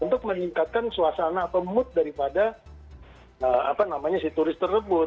untuk meningkatkan suasana atau mood daripada si turis tersebut